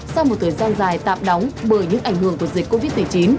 sau một thời gian dài tạm đóng bởi những ảnh hưởng của dịch covid một mươi chín